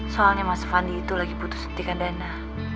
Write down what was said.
soalnya mas avandi itu lagi putus hentikan dana